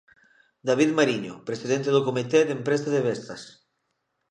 David Mariño, Presidente do comité de empresa de Vestas.